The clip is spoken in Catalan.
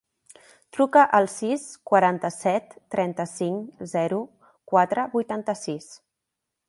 Truca al sis, quaranta-set, trenta-cinc, zero, quatre, vuitanta-sis.